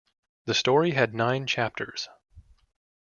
The story had nine chapters.